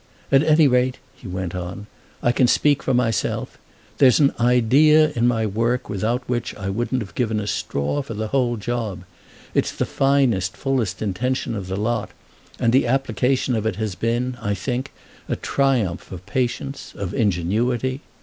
"At any rate," he went on, "I can speak for myself: there's an idea in my work without which I wouldn't have given a straw for the whole job. It's the finest fullest intention of the lot, and the application of it has been, I think, a triumph of patience, of ingenuity.